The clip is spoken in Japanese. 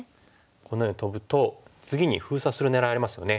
このようにトブと次に封鎖する狙いありますよね。